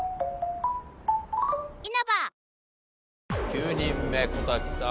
９人目小瀧さん